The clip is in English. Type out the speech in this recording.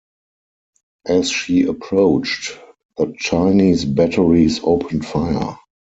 As she approached, the Chinese batteries opened fire.